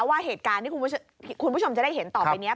ว่าเหตุการณ์ที่คุณผู้ชมจะได้เห็นต่อไปนี้